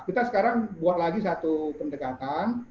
kita sekarang buat lagi satu pendekatan